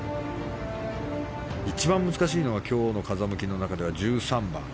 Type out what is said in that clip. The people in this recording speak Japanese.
一番難しいのが今日の風向きの中では１３番。